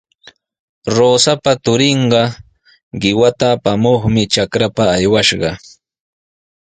Rosapa turinqa qiwata apamuqmi trakrapa aywashqa.